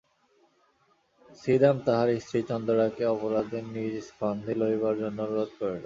ছিদাম তাহার স্ত্রী চন্দরাকে অপরাধ নিজ স্কন্ধে লইবার জন্য অনুরোধ করিল।